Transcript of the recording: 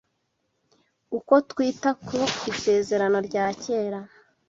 Uko twita ku Isezerano rya Kera